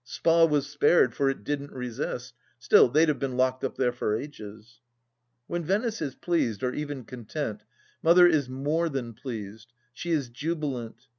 Spa was spared, for it didn't resist. Still, they'd have been locked up there for ages. When Venice is pleased, or even content, Mother is more than pleased — she is jubilant.